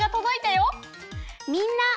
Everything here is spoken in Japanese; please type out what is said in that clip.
みんな。